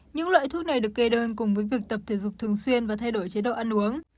những loại thuốc này được kê đơn cùng với việc tập thể dục thường xuyên và thay đổi chế độ ăn uống